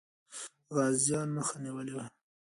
غازيان مخه نیولې وه.